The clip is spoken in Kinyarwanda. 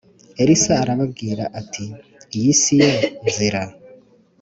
Elisa arababwira ati iyi si yo nzira